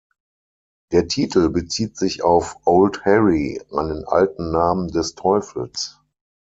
Der Titel bezieht sich auf „Old Harry“, einen alten Namen des Teufels.